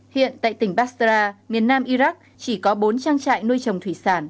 hiện tại tỉnh basra miền nam iraq chỉ có bốn trang trại nuôi trồng thủy sản